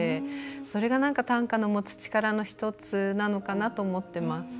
それが、短歌の持つ力の１つなのかなって思ってます。